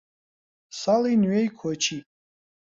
ساڵی نوێی کۆچی